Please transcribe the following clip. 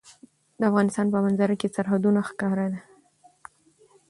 د افغانستان په منظره کې سرحدونه ښکاره ده.